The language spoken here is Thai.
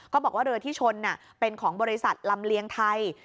บอกว่าเรือที่ชนเป็นของบริษัทลำเลียงไทย